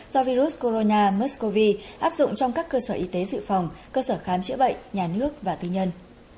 do virus corona áp dụng trong các cơ sở y tế dự phòng cơ sở khám chữa bệnh nhà nước và tư nhân